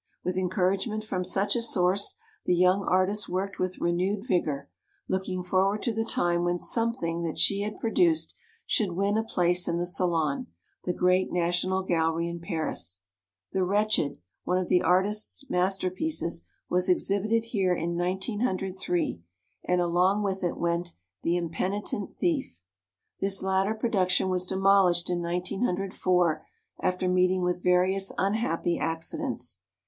With encouragement from such a source the young artist worked with renewed vigor, looking forward to the time when something that she had produced should win a place in the Salon, the great national gallery in Paris. "The Wretched," one of the artist's masterpieces, was exhib ited here in 1903, and along with it went "The Impenitent Thief." This latter pro duction was demolished in 1904, after meet ing with various unhappy accidents.